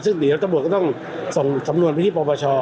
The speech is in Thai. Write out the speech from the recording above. ซึ่งเดี๋ยวตำรวจก็ต้องส่งสำนวนไปที่ปปช